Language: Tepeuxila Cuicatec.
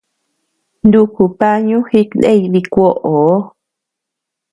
Nuku pañu jikney dikuoʼoo.